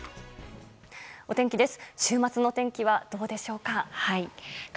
お天気です。